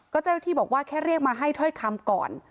ก็เจ้าที่บอกว่าแค่เรียกมาให้เท้าคำก่อน